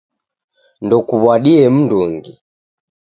Ndukuw'adie mndungi